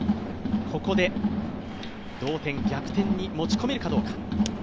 ここで同点逆転に持ち込めるかどうか。